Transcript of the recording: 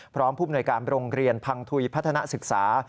ผู้มนวยการโรงเรียนพังทุยพัฒนาศึกษา